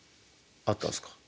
あったんですか？